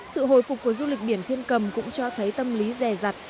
sự hồi phục của du lịch biển thiên cầm cũng cho thấy tâm lý rè rặt